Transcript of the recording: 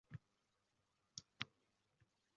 Na bir yomonligu na bir ezgulik.